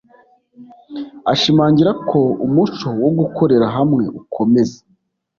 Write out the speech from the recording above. Ashimangira ko umuco wo gukorera hamwe ukomeza